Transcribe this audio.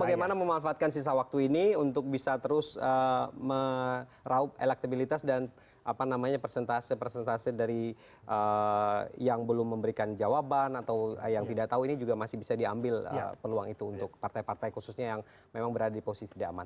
bagaimana memanfaatkan sisa waktu ini untuk bisa terus meraup elektabilitas dan persentase persentase dari yang belum memberikan jawaban atau yang tidak tahu ini juga masih bisa diambil peluang itu untuk partai partai khususnya yang memang berada di posisi tidak aman